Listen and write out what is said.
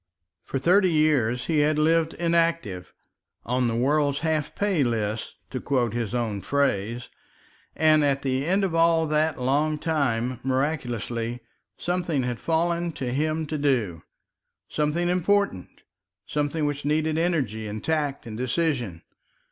For thirty years he had lived inactive on the world's half pay list, to quote his own phrase; and at the end of all that long time, miraculously, something had fallen to him to do something important, something which needed energy and tact and decision.